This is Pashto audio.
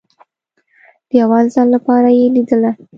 د اول ځل لپاره يې ليدله.